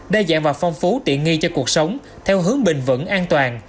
đa dạng và phong phú tiện nghi cho cuộc sống theo hướng bình vẫn an toàn